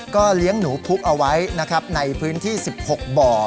ก็เลี้ยงหนูพุกเอาไว้ในพื้นที่๑๖บ่อ